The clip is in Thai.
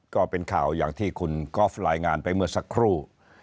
ก็เป็นข่าวอย่างที่คุณกอล์ฟรายงานไปเมื่อสักครู่